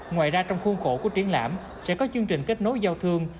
ngoài ra trong khuôn khổ của triển lãm sẽ có chương trình kết nối giao thương